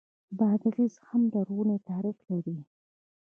بادغیس هم لرغونی تاریخ لري